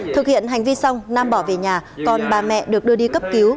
thực hiện hành vi xong nam bỏ về nhà còn bà mẹ được đưa đi cấp cứu